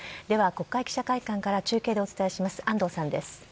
では、国会記者会館から中継でお伝えします。